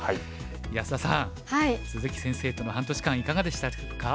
安田さん鈴木先生との半年間いかがでしたか？